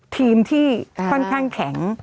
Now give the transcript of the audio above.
ทีมที่ค่อนข้างแข็ง